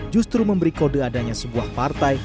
justru memberi kode adanya sebuah partai